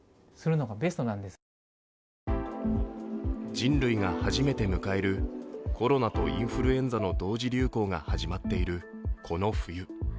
人類が初めて迎えるコロナとインフルエンザの同時流行が始まっているこの冬。